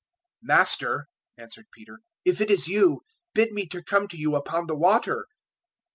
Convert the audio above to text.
014:028 "Master," answered Peter, "if it is you, bid me come to you upon the water."